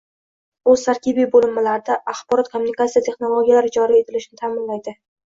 o‘z tarkibiy bo‘linmalarida axborot-kommunikatsiya texnologiyalari joriy etilishini ta’minlaydi;